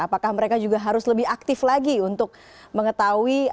apakah mereka juga harus lebih aktif lagi untuk mengetahui